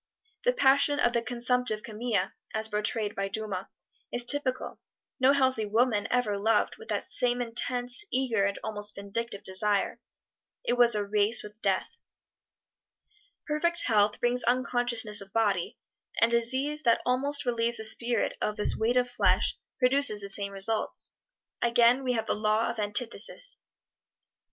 The passion of the consumptive Camille, as portrayed by Dumas, is typical no healthy woman ever loved with that same intense, eager and almost vindictive desire. It was a race with Death. Perfect health brings unconsciousness of body, and disease that almost relieves the spirit of this weight of flesh produces the same results. Again we have the Law of Antithesis.